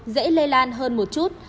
dễ lây lan hơn một chút